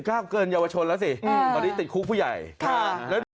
อ่า๑๙เกินเยาวชนแล้วสิอืมตอนนี้ติดคุกผู้ใหญ่ค่ะ